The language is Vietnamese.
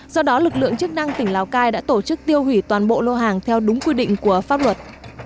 do đó lực lượng chức năng tỉnh lào cai đã tổ chức tiêu hủy toàn bộ lô hàng theo đúng quy định của pháp luật